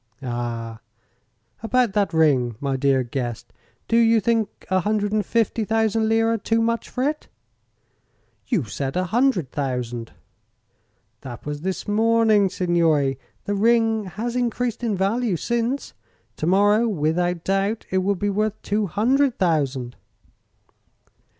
"Ah; about that ring, my dear guest. Do you think a hundred and fifty thousand lira too much for it?" "You said a hundred thousand." "That was this morning, signore. The ring has increased in value since. To morrow, without doubt, it will be worth two hundred thousand."